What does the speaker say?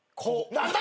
何だ！？